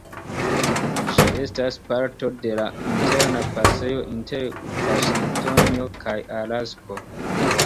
Ĝi estas parto de la Interna Pasejo inter Vaŝingtonio kaj Alasko.